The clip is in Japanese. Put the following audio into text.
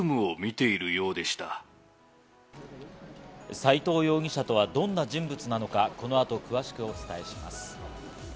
斎藤容疑者とはどんな人物なのかこの後、詳しくお伝えします。